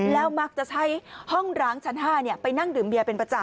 แล้วมักจะใช้ห้องร้างชั้น๕ไปนั่งดื่มเบียเป็นประจำ